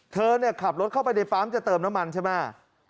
เธอเนี่ยขับรถเข้าไปในปั๊มจะเติมน้ำมันใช่ไหม